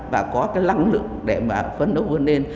và có cái lăng lượng để mà phấn đấu vươn lên